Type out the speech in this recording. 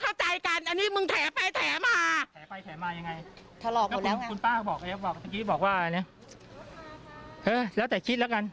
ถลอกหมดแล้วนะคุณป้าก็บอกตะกี้บอกว่าแล้วแต่คิดแล้วกัน